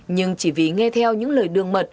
nhưng chỉ vì nghe theo những lời đường mật